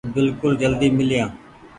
بلڪل جلدي ميليآن